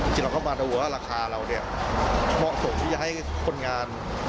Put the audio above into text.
จริงเราก็มาดูว่าราคาเราเนี่ยเหมาะสมที่จะให้คนงาน